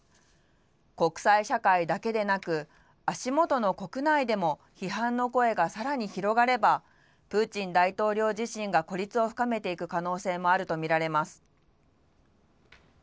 国際社会だけでなく、足もとの国内でも、批判の声がさらに広がれば、プーチン大統領自身が孤立を深めていく可能性もあると見られます。